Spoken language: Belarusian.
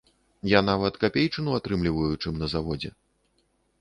Я нават капейчыну атрымліваю, чым на заводзе.